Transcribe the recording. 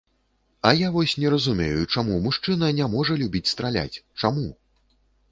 А я вось не разумею, чаму мужчына не можа любіць страляць, чаму?